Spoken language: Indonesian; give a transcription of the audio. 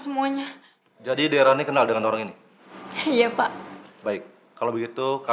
semoga si halo bisa ditangkap malam ini juga